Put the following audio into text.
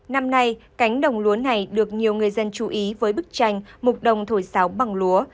năm nay cánh đồng lúa này được nhiều người dân chú ý với bức tranh mục đồng thổi sáo bằng lúa